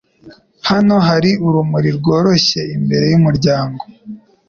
Hano hari urumuri rworoshye imbere yumuryango.